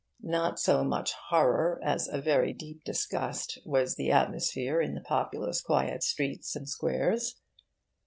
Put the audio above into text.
Not so much horror as a very deep disgust was the atmosphere in the populous quiet streets and squares.